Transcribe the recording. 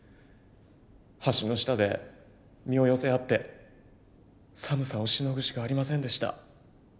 橋の下で身を寄せ合って寒さをしのぐしかありませんでした。